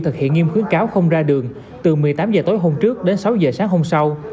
thực hiện nghiêm khuyến cáo không ra đường từ một mươi tám h tối hôm trước đến sáu h sáng hôm sau